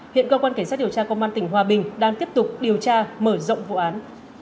hiện cơ quan cảnh sát điều tra công an tỉnh hòa bình đang tiếp tục điều tra mở rộng vụ án